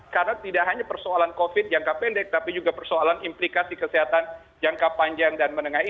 karena tidak hanya persoalan covid jangka pendek tapi juga persoalan implikasi kesehatan jangka panjang dan menengah ini